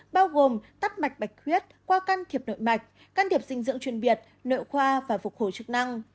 bao gồm tắt mạch bạch huyết qua can thiệp nội mạch can thiệp dinh dưỡng chuyên biệt nội khoa và phục hồi chức năng